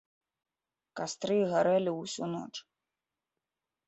Кастры гарэлі ўсю ноч.